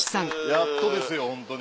やっとですよホントに。